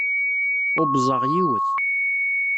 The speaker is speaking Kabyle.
Ubẓeɣ yiwet.